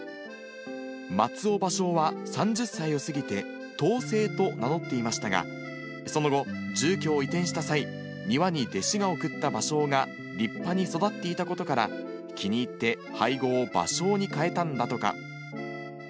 松尾芭蕉は３０歳を過ぎて桃青と名乗っていましたが、その後、住居を移転した際、庭に弟子が贈ったバショウが立派に育っていたことから、気に入って俳号を芭蕉に変えたんだとか。